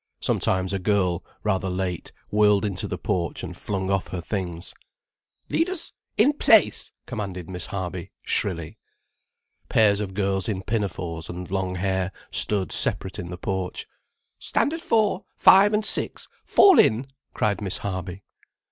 Sometimes a girl, rather late, whirled into the porch and flung off her things. "Leaders—in place," commanded Miss Harby shrilly. Pairs of girls in pinafores and long hair stood separate in the porch. "Standard Four, Five, and Six—fall in," cried Miss Harby.